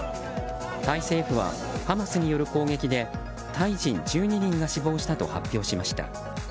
タイ政府はハマスによる攻撃でタイ人１２人が死亡したと発表しました。